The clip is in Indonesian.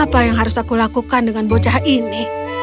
apa yang harus aku lakukan dengan bocah ini